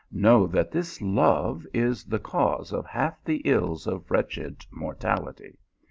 Know that this love is the cause of half the ills of wretched mortality.